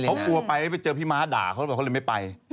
เขากลัวไปไปเจอพี่ม้าด่าเขาเลยไม่ไป